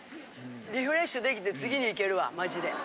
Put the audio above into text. リフレッシュできて次にいけるわマジで。